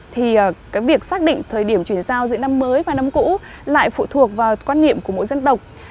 thì cái việc xác định thời điểm chuyển giao giữa năm mới và năm cũ lại phụ thuộc vào quan niệm của mỗi dân tộc